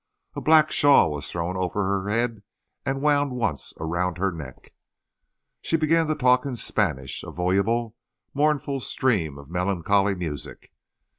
A black shawl was thrown over her head and wound once around her neck. She began to talk in Spanish, a voluble, mournful stream of melancholy music.